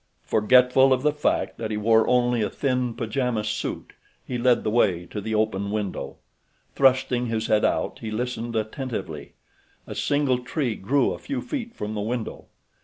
Forgetful of the fact that he wore only a thin pajama suit he led the way to the open window. Thrusting his head out he listened attentively. A single tree grew a few feet from the window.